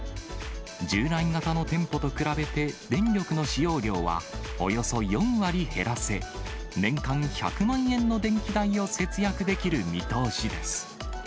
従来型の店舗と比べて、電力の使用量はおよそ４割減らせ、年間１００万円の電気代を節約できる見通しです。